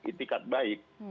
di tiket baik